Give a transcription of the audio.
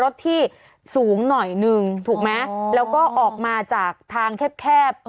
ถูกมั้ยแล้วก็ออกมาจากทางแคบ